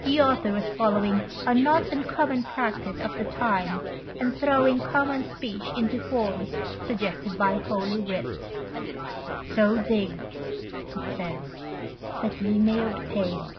The author was following a not uncommon practise of the time, and throwing common speech into forms suggested by Holy Writ :" So dig," it said, " that ye may obtain."